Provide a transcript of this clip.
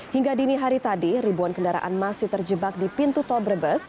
hingga dini hari tadi ribuan kendaraan masih terjebak di pintu tol brebes